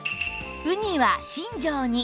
ウニは新丈に